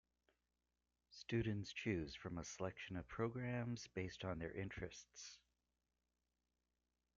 Students choose from a selection of programmes based on their interests.